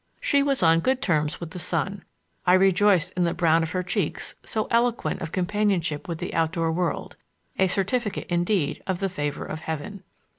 She was on good terms with the sun—I rejoiced in the brown of her cheeks, so eloquent of companionship with the outdoor world—a certificate indeed of the favor of Heaven.